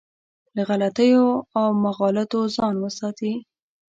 له غلطیو او مغالطو ځان وساتي.